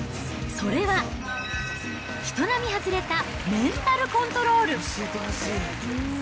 それは、人並外れたメンタルコントロール。